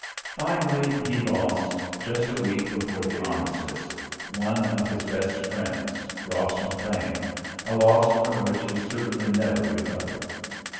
Finally he lost, just a week before the armistice, one of his best friends, Ross McLean, a loss from which he certainly never recovered.